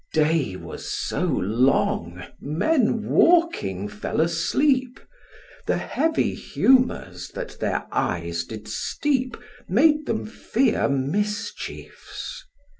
Day was so long, men walking fell asleep; The heavy humours that their eyes did steep Made them fear mischiefs.